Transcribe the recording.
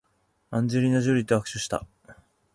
アンジェリーナジョリーと握手した